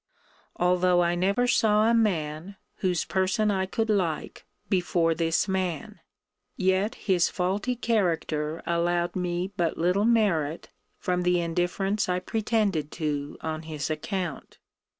Although I never saw a man, whose person I could like, before this man; yet his faulty character allowed me but little merit from the indifference I pretended to on his account.